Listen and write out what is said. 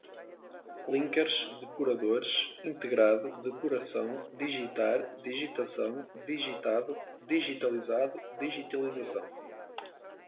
linkers, depuradores, integrado, depuração, digitar, digitação, digitado, digitalizado, digitalização